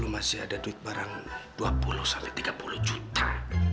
masih ada duit barang dua puluh sampai tiga puluh juta